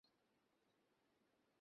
তিনি সঙ্গীতের দিকে আকৃষ্ট হন।